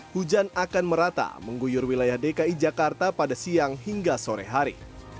hujan akan merata mengguyur wilayah dki jakarta pada siang hingga sore hari